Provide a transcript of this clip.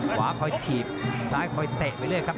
ขวาค่อยเตี๋ยบซ้ายค่อยเตะไปเรื่อยค่ะ